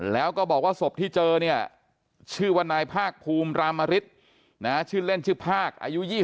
แล้วก็บอกว่าศพที่เจอเนี่ยชื่อว่านายภาคภูมิรามฤทธิ์ชื่อเล่นชื่อภาคอายุ๒๐